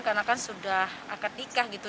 karena kan sudah akad nikah gitu